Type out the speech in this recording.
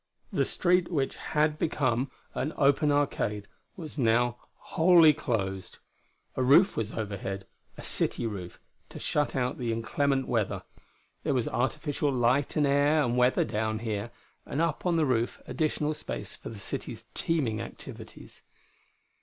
The street which had become an open arcade was now wholly closed. A roof was overhead a city roof, to shut out the inclement weather. There was artificial light and air and weather down here, and up on the roof additional space for the city's teeming activities.